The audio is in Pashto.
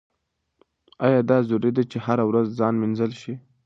ایا دا ضروري ده چې هره ورځ ځان مینځل شي؟